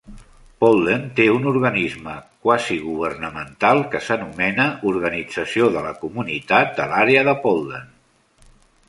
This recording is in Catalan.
Paulden té un organisme quasigovernamental que s'anomena Organització de la Comunitat de l'Àrea de Paulden.